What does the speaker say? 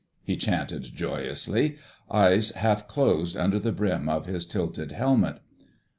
he chanted joyously, eyes half closed under the brim of his tilted helmet.